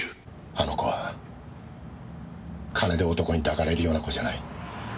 あの子は金で男に抱かれるような子じゃない。